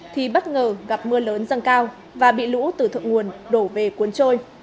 thì bất ngờ gặp mưa lớn dâng cao và bị lũ từ thượng nguồn đổ về cuốn trôi